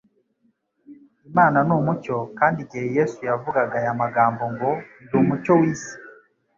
Imana ni umucyo, kandi igihe Yesu yavugaga aya magambo ngo: "Ndi umucyo w'isi"